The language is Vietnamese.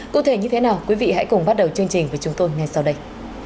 cụ thể như thế nào quý vị hãy cùng bắt đầu chương trình với chúng tôi ngay sau đây